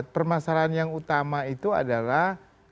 permasalahan yang utama itu adalah